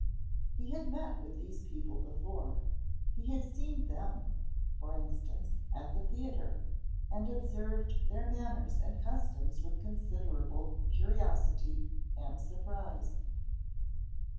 He had met with these people before. He had seen them (for instance) at the theatre, and observed their manners and customs with considerable curiosity and surprise.